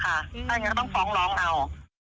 ถ้างั้นจะต้องฟ้องร้องเรา